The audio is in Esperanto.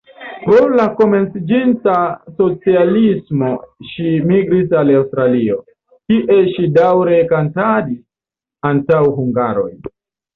Pro la komenciĝinta socialismo ŝi migris al Aŭstralio, kie ŝi daŭre kantadis antaŭ hungaroj.